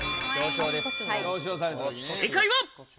正解は。